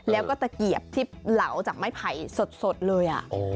แล้วก็ตะเกียบที่เหลาจากไม้ไผ่สดเลย